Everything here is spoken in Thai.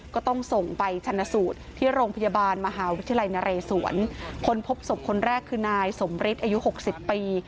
ก็ต้องส่งไปชนะสูตรที่โรงพยาบาลมหาวิทยาลัยนเรศวรคนพบศพคนแรกคือนายสมฤทธิ์อายุหกสิบปี